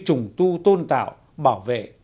trùng tu tôn tạo bảo vệ